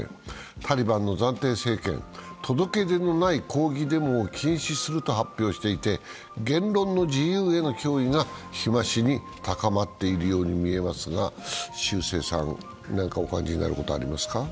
タリバンの暫定政権は届け出のない抗議デモを禁止すると発表していて、言論の自由への脅威が日増しに高まっているように見えますが、秀征さん、何かお感じになることありますか？